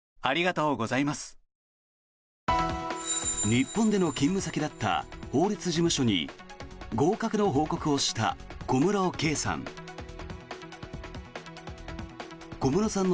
日本での勤務先だった法律事務所に合格の報告をした小室圭さん。